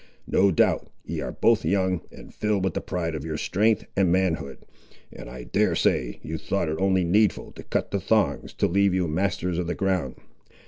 No doubt, ye are both young, and filled with the pride of your strength and manhood, and I dare say you thought it only needful to cut the thongs, to leave you masters of the ground.